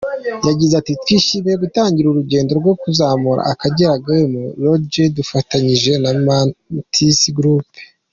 Yaize ati “ Twishimiye gutangira urugendo rwo kuzamura Akagera Game Lodge dufatanyije na Mantis Group.